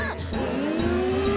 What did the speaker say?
うん。